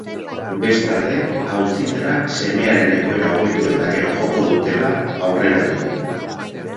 Bestalde, auzitara semearen egoera hobetu eta gero joko dutela aurreratu du.